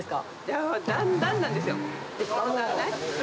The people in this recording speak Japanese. やっぱりだんだんなんですよ。